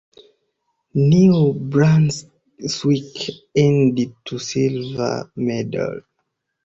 New Brunswick earned the silver medal.